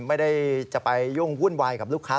ไม่ได้จะไปยุ่งวุ่นวายกับลูกค้า